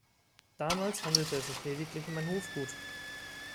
Damals handelte es sich lediglich um ein Hofgut.